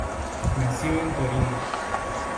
Nació en Torino.